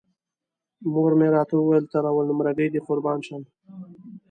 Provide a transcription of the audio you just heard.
مور مې راته ویل تر اول نمره ګۍ دې قربان شم.